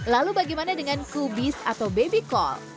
lalu bagaimana dengan kubis atau baby call